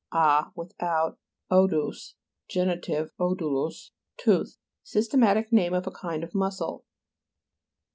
a, without; odous (genitive, odoutos), tooth. Systematic name of a kind of mus sel, p.